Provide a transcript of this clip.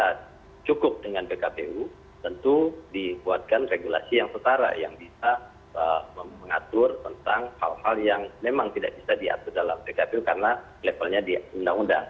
karena cukup dengan pkpu tentu dibuatkan regulasi yang setara yang bisa mengatur tentang hal hal yang memang tidak bisa diatur dalam pkpu karena levelnya di undang undang